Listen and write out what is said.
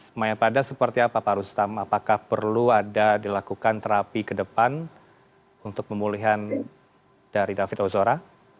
memang yang pada seperti apa pak rustam apakah perlu ada dilakukan terapi kedepan untuk pemulihan dari david ozora